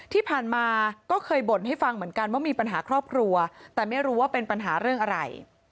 ที่ผ่านมาก็เคยบ่นให้ฟังเหมือนกันว่ามีปัญหาครอบครัวแต่ไม่รู้ว่าเป็นปัญหาเรื่องอะไร